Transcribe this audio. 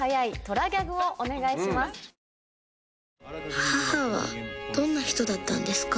母はどんな人だったんですか？